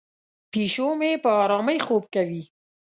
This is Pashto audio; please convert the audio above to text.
پیشو مې په آرامۍ خوب کوي.